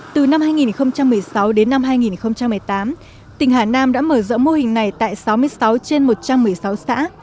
từ năm hai nghìn một mươi sáu đến năm hai nghìn một mươi tám tỉnh hà nam đã mở rộng mô hình này tại sáu mươi sáu trên một trăm một mươi sáu xã